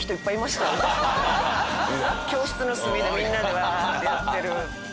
教室の隅でみんなでワーッてやってる。